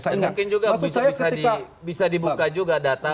mungkin juga bisa dibuka juga data